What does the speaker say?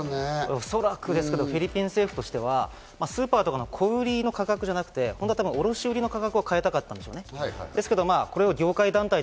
おそらくですけどフィリピン政府としては、スーパーとかの小売の価格じゃなくて、卸売の価格を変えたかったんでしょうね。